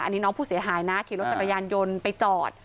อันนี้น้องผู้เสียหายนะขี่รถจักรยานยนต์ไปจอด